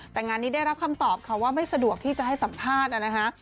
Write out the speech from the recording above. แต่งานนี้ได้รับคำตอบค่ะว่าไม่สะดวกที่จะให้สัมภาษณ์นะคะ